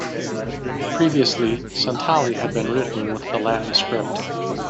Previously, Santali had been written with the Latin script.